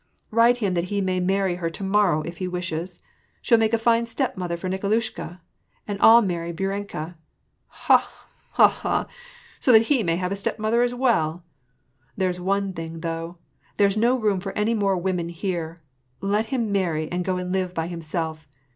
Write him that he may marry her to morrow, if he wishes. She'll make a fine stepmother for Nikolushka, and I'll marry Bouriennka ! Ha ! ha ! ha ! so that he may have a stepmother as well ! There's one thing, though, there's no room for any moi e women here : let him marry, and go and live by himself.